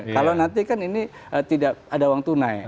kalau nanti kan ini tidak ada uang tunai